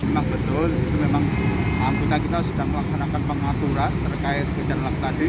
nah betul itu memang kita sudah melaksanakan pengaturan terkait kejalanan tadi